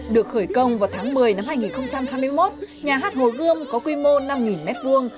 được khởi công vào tháng một mươi năm hai nghìn hai mươi một nhà hát hồ gươm có quy mô năm m hai